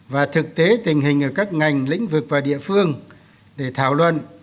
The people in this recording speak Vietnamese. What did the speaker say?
và thực tế tình hình ở các ngành lĩnh vực và địa phương để thảo luận